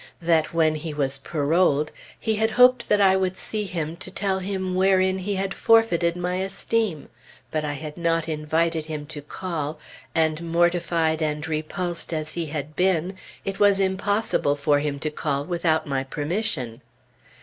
That when he was paroled, he had hoped that I would see him to tell him wherein he had forfeited my esteem; but I had not invited him to call, and mortified and repulsed as he had been, it was impossible for him to call without my permission....